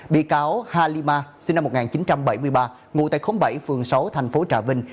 bị cáo halima sinh năm một nghìn chín trăm bảy mươi ba ngụ tại bảy phường sáu thành phố trà vinh